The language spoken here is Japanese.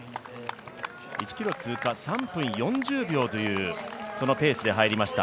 １ｋｍ通過、３分４０秒というペースで入りました。